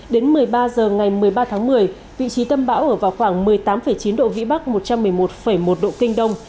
đến một mươi ba h ngày một mươi ba tháng một mươi vị trí tâm bão ở vào khoảng một mươi tám chín độ vĩ bắc một trăm một mươi một một độ kinh đông